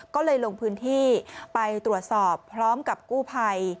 ก็เลยลงพื้นที่ไปตรวจสอบพร้อมกับกู้ภัย